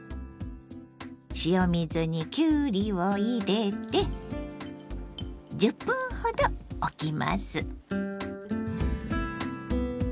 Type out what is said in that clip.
塩水にきゅうりを入れて１０分ほどおきます。